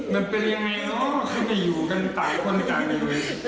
มันเป็นยังไงเนอะคือไม่อยู่กันต่างคนกันอยู่